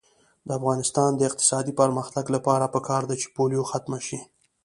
د افغانستان د اقتصادي پرمختګ لپاره پکار ده چې پولیو ختمه شي.